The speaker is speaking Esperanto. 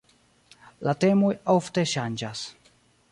La temoj ofte ŝanĝas.